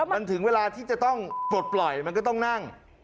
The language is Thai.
มันถึงเวลาที่จะต้องปลดปล่อยมันก็ต้องนั่ง